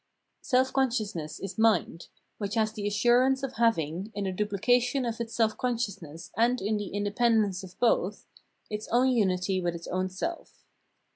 Self consciousness is mind, which has the assm ance of having, in the duplication of its self consciousness and in the inde pendence of both, its unity with its own self.